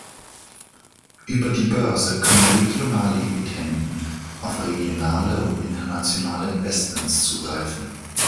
Über die Börse können regionale Emittenten auf regionale und internationale Investments zugreifen.